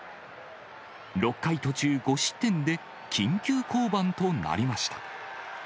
６回途中、５失点で緊急降板となりました。